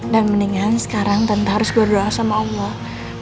dan mendingan sekarang tante harus berdoa sama allah